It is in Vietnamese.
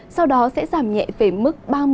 sau đó sẽ giảm nhẹ về mức